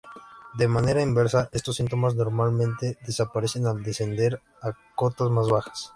De manera inversa estos síntomas normalmente desaparecen al descender a cotas más bajas.